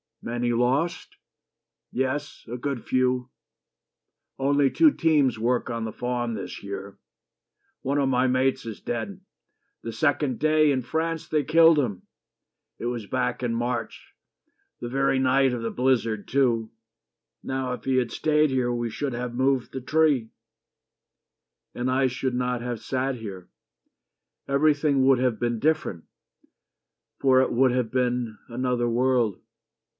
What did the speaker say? "Many lost?" "Yes: good few. Only two teams work on the farm this year. One of my mates is dead. The second day In France they killed him. It was back in March, The very night of the blizzard, too. Now if He had stayed here we should have moved the tree." "And I should not have sat here. Everything Would have been different. For it would have been Another world."